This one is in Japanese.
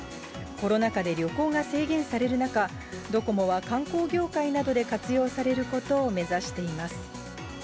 コロナ禍で旅行が制限される中、ドコモは観光業界などで活用されることを目指しています。